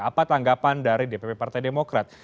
apa tanggapan dari dpp partai demokrat